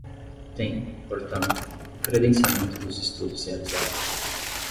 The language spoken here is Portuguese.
Tem, portanto, credenciamento dos estudos realizados.